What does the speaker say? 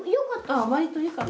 あわりといいかな。